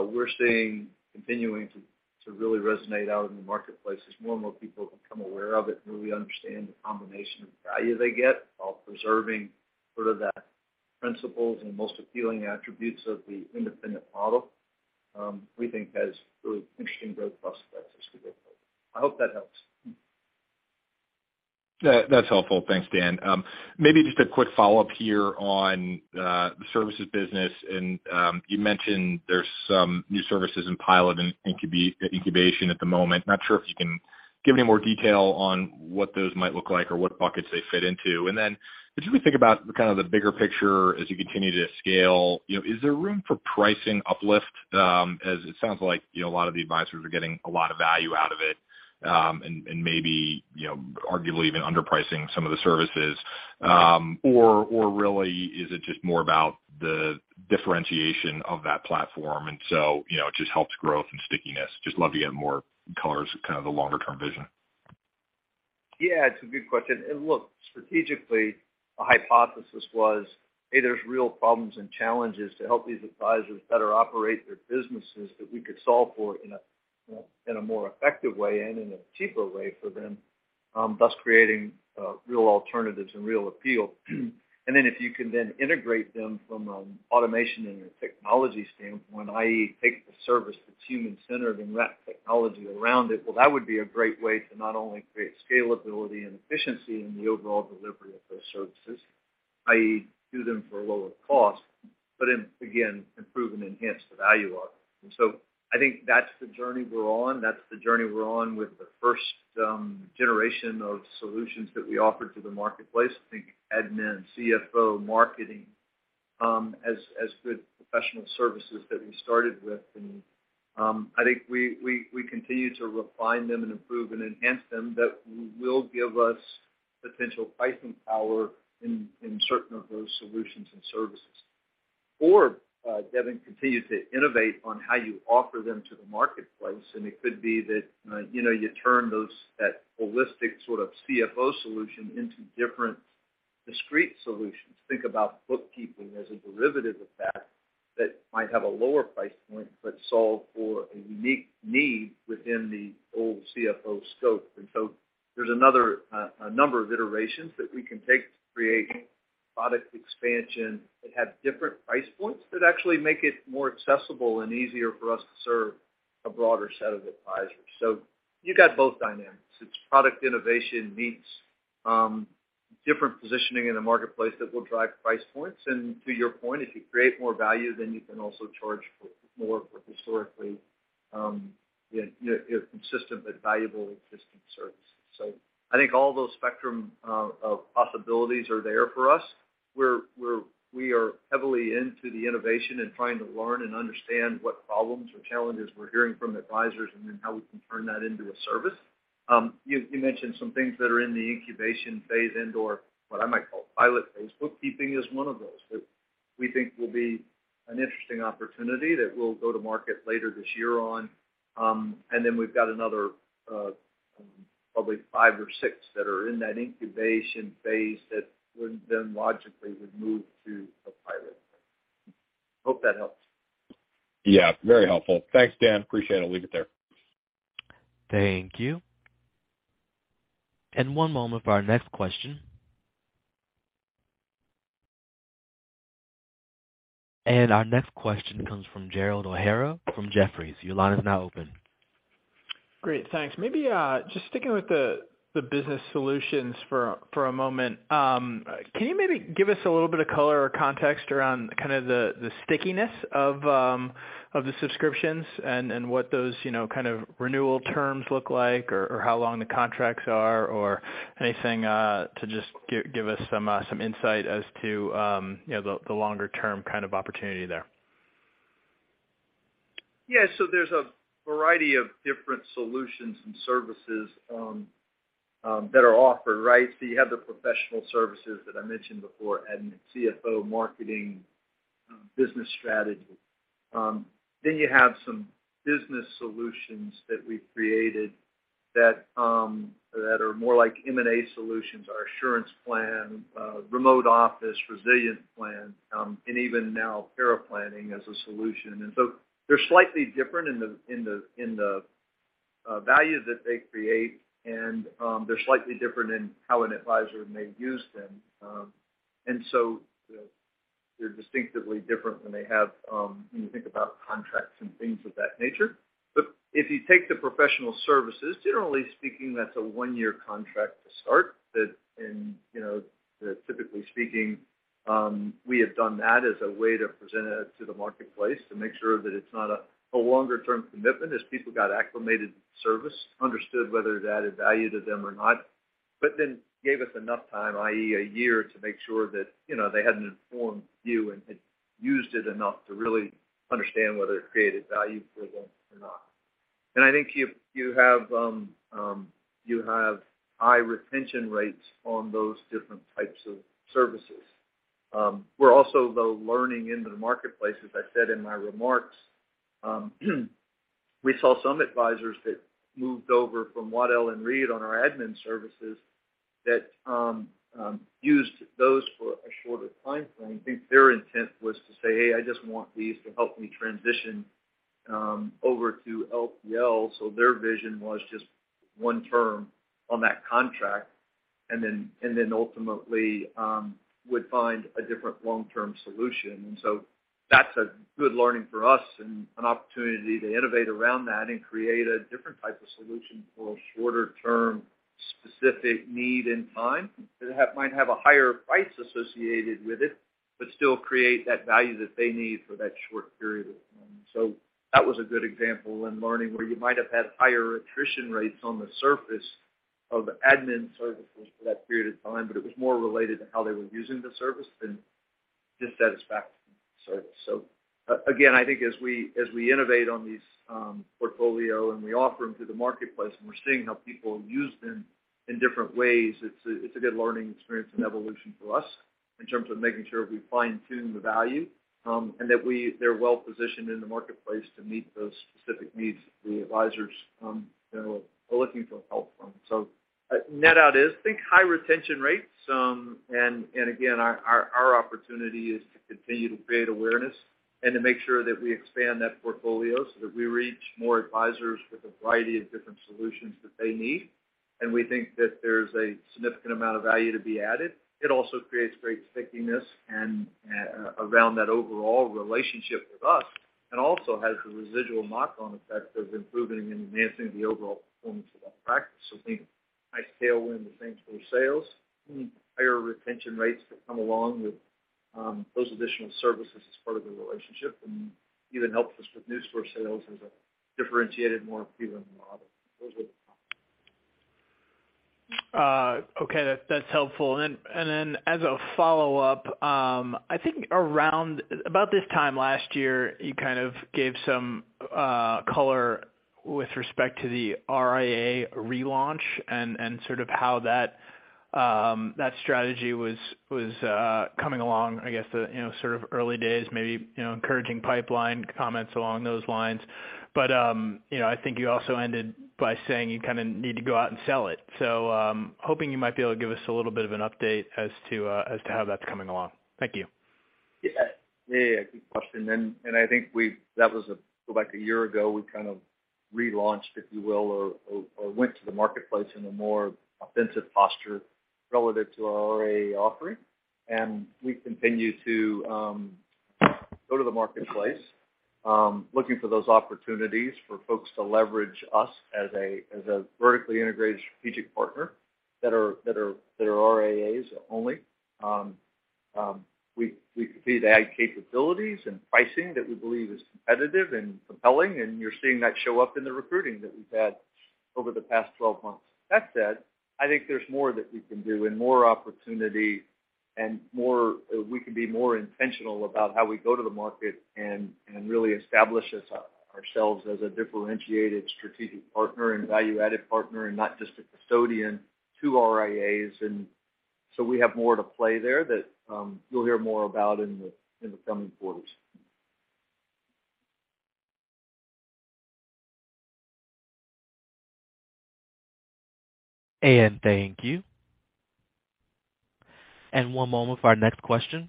we're seeing continuing to really resonate out in the marketplace as more and more people become aware of it, and really understand the combination of value they get while preserving sort of that principles and most appealing attributes of the independent model, we think has really interesting growth prospects as we go forward. I hope that helps. Yeah, that's helpful. Thanks, Dan. Maybe just a quick follow-up here on the services business. You mentioned there's some new services in pilot and in incubation at the moment. Not sure if you can give any more detail on what those might look like or what buckets they fit into. Then as you think about kind of the bigger picture as you continue to scale, you know, is there room for pricing uplift? As it sounds like, you know, a lot of the advisors are getting a lot of value out of it, and maybe, you know, arguably even underpricing some of the services. Or really, is it just more about the differentiation of that platform, and so, you know, it just helps growth and stickiness? Just love to get more color as to kind of the longer-term vision. Yeah, it's a good question. Look, strategically, the hypothesis was, hey, there's real problems and challenges to help these advisors better operate their businesses that we could solve for in a more effective way and in a cheaper way for them, thus creating real alternatives and real appeal. If you can then integrate them from an automation and a technology standpoint, i.e., take the service that's human-centered and wrap technology around it, well, that would be a great way to not only create scalability and efficiency in the overall delivery of those services, i.e., do them for a lower cost, but then again, improve and enhance the value of it. I think that's the journey we're on. That's the journey we're on with the first generation of solutions that we offer to the marketplace. Think admin, CFO, marketing, as good professional services that we started with. I think we continue to refine them and improve and enhance them, that will give us potential pricing power in certain of those solutions and services. Devin, continue to innovate on how you offer them to the marketplace, and it could be that, you know, you turn that holistic sort of CFO solution into different discrete solutions. Think about bookkeeping as a derivative of that might have a lower price point, but solve for a unique need within the old CFO scope. There's a number of iterations that we can take to create product expansion that have different price points that actually make it more accessible and easier for us to serve a broader set of advisors. You got both dynamics. It's product innovation meets different positioning in the marketplace that will drive price points. To your point, if you create more value, then you can also charge for more for historically, you know, consistent but valuable existing services. I think all those spectrum of possibilities are there for us. We are heavily into the innovation and trying to learn and understand what problems or challenges we're hearing from advisors and then how we can turn that into a service. You mentioned some things that are in the incubation phase and/or what I might call pilot phase. Bookkeeping is one of those that we think will be an interesting opportunity that we'll go to market later this year on. We've got another, probably five or six that are in that incubation phase that would then logically move to a pilot phase. Hope that helps. Yeah, very helpful. Thanks, Dan. Appreciate it. I'll leave it there. Thank you. One moment for our next question. Our next question comes from Gerald O'Hara from Jefferies. Your line is now open. Great. Thanks. Maybe just sticking with the business solutions for a moment. Can you maybe give us a little bit of color or context around kind of the stickiness of the subscriptions and what those, you know, kind of renewal terms look like, or how long the contracts are or anything to just give us some insight as to, you know, the longer term kind of opportunity there? Yeah. There's a variety of different solutions and services that are offered, right? You have the professional services that I mentioned before, admin, CFO, marketing, business strategy. Then you have some business solutions that we've created that are more like M&A solutions, our assurance plan, remote office resilience plan, and even now paraplanning as a solution. They're slightly different in the value that they create, and they're slightly different in how an advisor may use them. They're distinctively different when you think about contracts and things of that nature. If you take the professional services, generally speaking, that's a one-year contract to start that in, you know, typically speaking, we have done that as a way to present it to the marketplace to make sure that it's not a longer term commitment as people got acclimated to the service, understood whether it added value to them or not. Then gave us enough time, i.e., a year, to make sure that, you know, they had an informed view and had used it enough to really understand whether it created value for them or not. I think you have high retention rates on those different types of services. We're also, though, learning in the marketplace, as I said in my remarks, we saw some advisors that moved over from Waddell & Reed on our admin services that used those for a shorter timeframe. I think their intent was to say, "Hey, I just want these to help me transition over to LPL." Their vision was just one term on that contract, and then ultimately would find a different long-term solution. That's a good learning for us and an opportunity to innovate around that and create a different type of solution for a shorter-term, specific need and time that might have a higher price associated with it, but still create that value that they need for that short period of time. That was a good example in learning where you might have had higher attrition rates on the surface of admin services for that period of time, but it was more related to how they were using the service than dissatisfaction with the service. Again, I think as we innovate on these portfolio and we offer them to the marketplace, and we're seeing how people use them in different ways, it's a good learning experience and evolution for us in terms of making sure we fine-tune the value, and that they're well positioned in the marketplace to meet those specific needs the advisors, you know, are looking for help from. Net out is, think high retention rates. Our opportunity is to continue to create awareness and to make sure that we expand that portfolio so that we reach more advisors with a variety of different solutions that they need. We think that there's a significant amount of value to be added. It also creates great stickiness around that overall relationship with us, and also has the residual margin effect of improving and enhancing the overall performance of that practice. Think nice tailwind with transfer sales, higher retention rates that come along with those additional services as part of the relationship, and even helps us with new store sales as a differentiated, more appealing model. Those are the. Okay, that's helpful. As a follow-up, I think about this time last year, you kind of gave some color with respect to the RIA relaunch and sort of how that strategy was coming along, I guess, you know, sort of early days, maybe, you know, encouraging pipeline comments along those lines. You know, I think you also ended by saying you kind of need to go out and sell it. Hoping you might be able to give us a little bit of an update as to how that's coming along. Thank you. Yeah. Yeah, yeah. Good question. I think we've go back a year ago, we kind of relaunched, if you will, or went to the marketplace in a more offensive posture relative to our RIA offering. We've continued to go to the marketplace, looking for those opportunities for folks to leverage us as a vertically integrated strategic partner that are RIAs only. We completed added capabilities and pricing that we believe is competitive and compelling, and you're seeing that show up in the recruiting that we've had over the past 12 months. That said, I think there's more that we can do and more opportunity and more we can be more intentional about how we go to the market and really establish ourselves as a differentiated strategic partner and value-added partner and not just a custodian to RIAs. We have more to play there that you'll hear more about in the coming quarters. Thank you. One moment for our next question.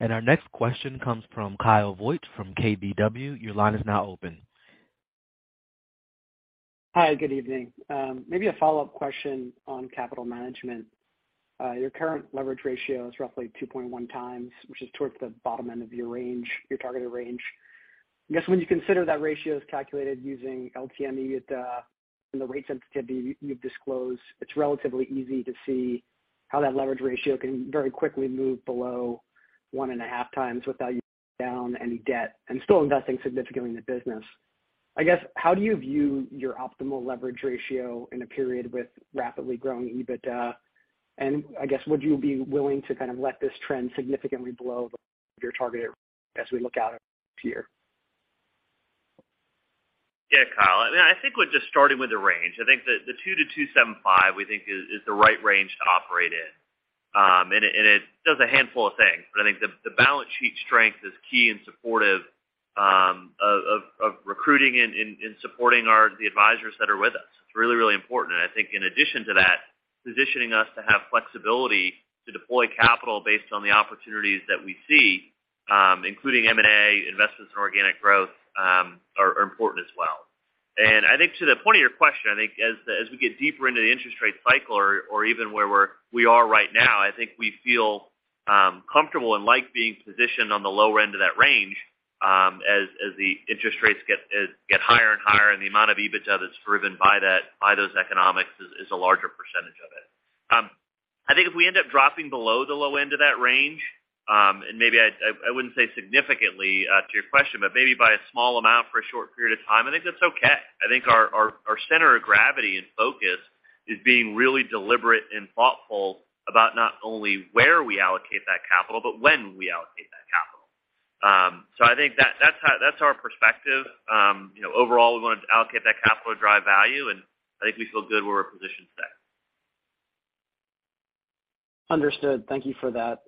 Our next question comes from Kyle Voigt from KBW. Your line is now open. Hi, good evening. Maybe a follow-up question on capital management. Your current leverage ratio is roughly 2.1x, which is towards the bottom end of your range, your targeted range. I guess, when you consider that ratio is calculated using LTM EBITDA and the rate sensitivity you've disclosed, it's relatively easy to see how that leverage ratio can very quickly move below 1.5x without you putting down any debt and still investing significantly in the business. I guess, how do you view your optimal leverage ratio in a period with rapidly growing EBITDA? And I guess, would you be willing to kind of let this trend significantly below your targeted as we look out next year? Yeah, Kyle. I mean, I think with just starting with the range. I think the 2 to 2.75, we think is the right range to operate in. It does a handful of things. I think the balance sheet strength is key and supportive of recruiting and supporting our advisors that are with us. It's really important. I think in addition to that, positioning us to have flexibility to deploy capital based on the opportunities that we see, including M&A, investments in organic growth, are important as well. I think to the point of your question, I think as we get deeper into the interest rate cycle or even where we are right now, I think we feel comfortable and like being positioned on the lower end of that range, as the interest rates get higher and higher and the amount of EBITDA that's driven by that, by those economics is a larger percentage of it. If we end up dropping below the low end of that range, and maybe I wouldn't say significantly to your question, but maybe by a small amount for a short period of time, I think that's okay. I think our center of gravity and focus is being really deliberate and thoughtful about not only where we allocate that capital, but when we allocate that capital. I think that's our perspective. You know, overall, we want to allocate that capital to drive value, and I think we feel good where we're positioned today. Understood. Thank you for that.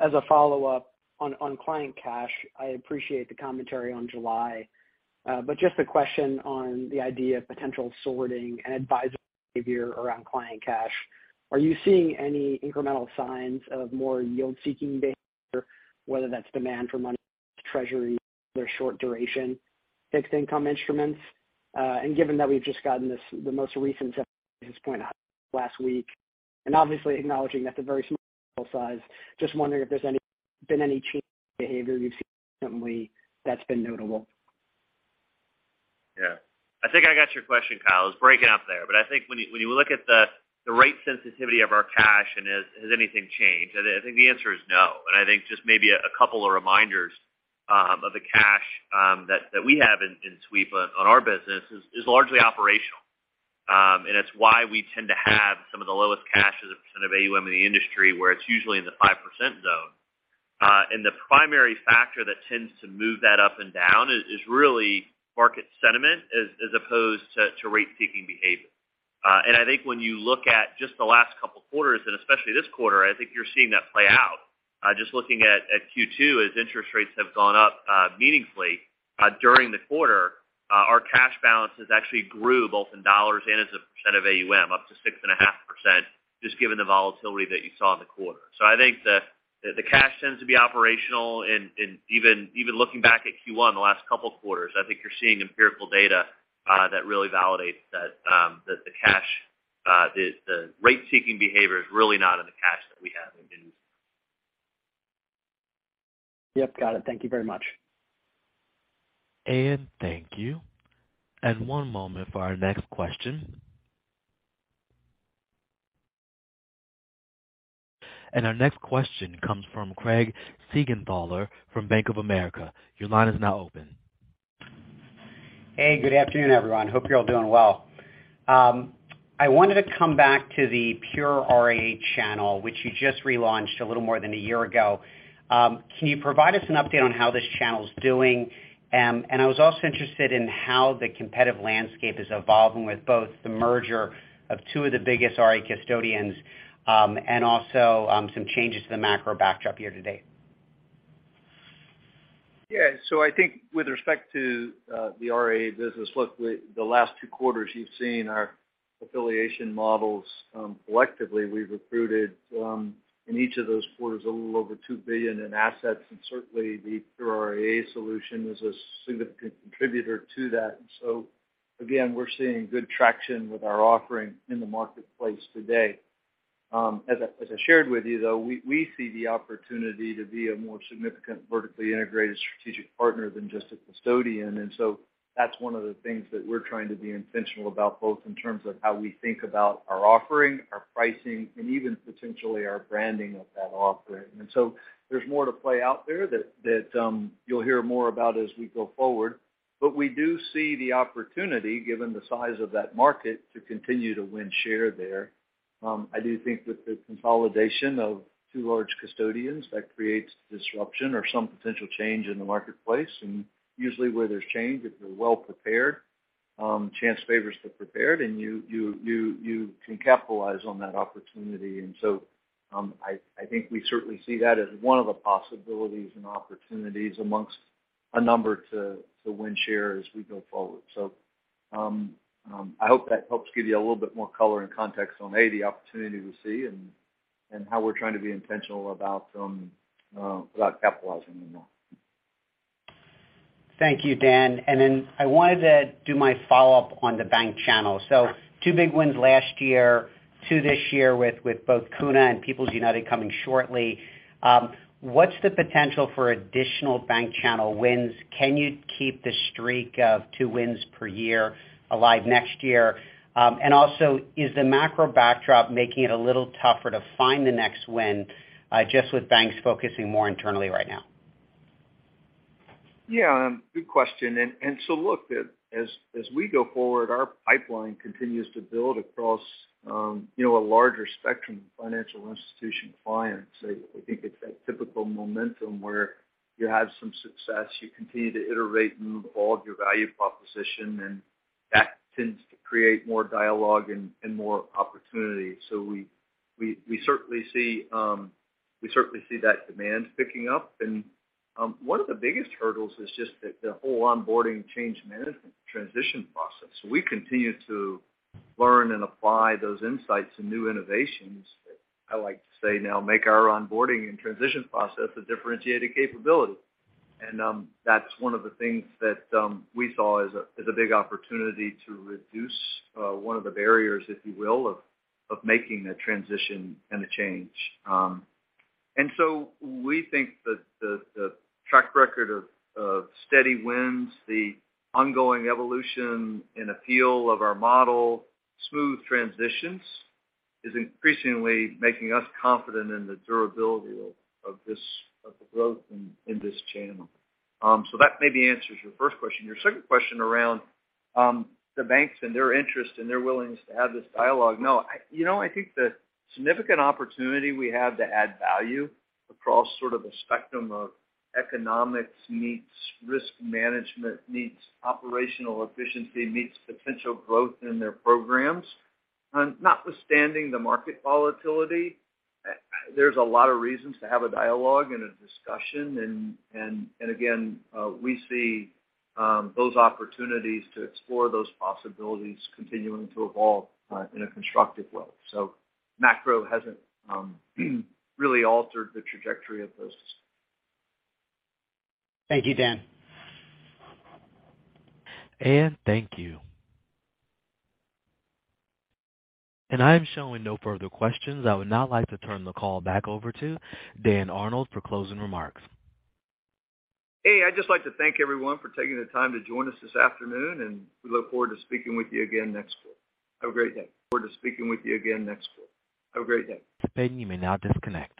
As a follow-up on client cash, I appreciate the commentary on July. But just a question on the idea of potential sorting and advisor behavior around client cash. Are you seeing any incremental signs of more yield-seeking behavior, whether that's demand for money market, Treasury, or short-duration fixed-income instruments? Given that we've just gotten this, the most recent payout last week, and obviously acknowledging that they're very small size, just wondering if there's been any change in behavior you've seen recently that's been notable. Yeah. I think I got your question, Kyle. It was breaking up there. I think when you look at the rate sensitivity of our cash, and has anything changed, I think the answer is no. I think just maybe a couple of reminders of the cash that we have in sweep on our business is largely operational. It's why we tend to have some of the lowest cash as a percent of AUM in the industry where it's usually in the 5% zone. The primary factor that tends to move that up and down is really market sentiment as opposed to rate-seeking behavior. I think when you look at just the last couple of quarters, and especially this quarter, I think you're seeing that play out. Just looking at Q2, as interest rates have gone up meaningfully during the quarter, our cash balances actually grew both in dollars and as a percent of AUM up to 6.5%, just given the volatility that you saw in the quarter. I think the cash tends to be operational. Even looking back at Q1 the last couple of quarters, I think you're seeing empirical data that really validates that the cash the rate-seeking behavior is really not in the cash that we have in Yep. Got it. Thank you very much. Thank you. One moment for our next question. Our next question comes from Craig Siegenthaler from Bank of America. Your line is now open. Hey, good afternoon, everyone. Hope you're all doing well. I wanted to come back to the pure RIA channel, which you just relaunched a little more than a year ago. Can you provide us an update on how this channel is doing? I was also interested in how the competitive landscape is evolving with both the merger of two of the biggest RIA custodians, and also, some changes to the macro backdrop year-to-date. Yeah. I think with respect to the RIA business, look, the last two quarters you've seen our affiliation models. Collectively, we've recruited in each of those quarters, a little over $2 billion in assets. Certainly the RIA solution is a significant contributor to that. Again, we're seeing good traction with our offering in the marketplace today. As I shared with you, though, we see the opportunity to be a more significant vertically integrated strategic partner than just a custodian. That's one of the things that we're trying to be intentional about, both in terms of how we think about our offering, our pricing, and even potentially our branding of that offering. There's more to play out there that you'll hear more about as we go forward. We do see the opportunity, given the size of that market, to continue to win share there. I do think that the consolidation of two large custodians, that creates disruption or some potential change in the marketplace. Usually where there's change, if you're well prepared, chance favors the prepared, and you can capitalize on that opportunity. I think we certainly see that as one of the possibilities and opportunities amongst a number to win share as we go forward. I hope that helps give you a little bit more color and context on A, the opportunity we see and how we're trying to be intentional about capitalizing more. Thank you, Dan. I wanted to do my follow-up on the bank channel. Two big wins last year, two this year with both CUNA and People's United Bank coming shortly. What's the potential for additional bank channel wins? Can you keep the streak of two wins per year alive next year? Is the macro backdrop making it a little tougher to find the next win, just with banks focusing more internally right now? Yeah. Good question. Look, as we go forward, our pipeline continues to build across you know, a larger spectrum of financial institution clients. I think it's that typical momentum where you have some success, you continue to iterate and evolve your value proposition, and that tends to create more dialogue and more opportunity. We certainly see that demand picking up. One of the biggest hurdles is just the whole onboarding change management transition process. We continue to learn and apply those insights and new innovations. I like to say now make our onboarding and transition process a differentiated capability. That's one of the things that we saw as a big opportunity to reduce one of the barriers, if you will, of making a transition and a change. We think that the track record of steady wins, the ongoing evolution and appeal of our model, smooth transitions, is increasingly making us confident in the durability of this growth in this channel. That maybe answers your first question. Your second question around the banks and their interest and their willingness to have this dialogue. No. You know, I think the significant opportunity we have to add value across sort of a spectrum of economics meets risk management, meets operational efficiency, meets potential growth in their programs. Notwithstanding the market volatility, there's a lot of reasons to have a dialogue and a discussion. Again, we see those opportunities to explore those possibilities continuing to evolve in a constructive way. Macro hasn't really altered the trajectory of this. Thank you, Dan. Thank you. I am showing no further questions. I would now like to turn the call back over to Dan Arnold for closing remarks. Hey, I'd just like to thank everyone for taking the time to join us this afternoon, and we look forward to speaking with you again next quarter. Have a great day. This concludes. You may now disconnect.